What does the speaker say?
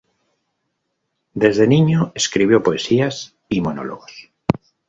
Desde niño escribió poesías y monólogos.